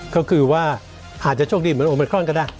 ก็คือว่าอาจจะโชคดีเหมือนโอเมครอนก็ได้